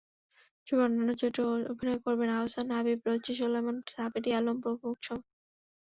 ছবির অন্যান্য চরিত্রে অভিনয় করবেন আহসান হাবিব, রিচি সোলায়মান, সাবেরী আলম প্রমুখ।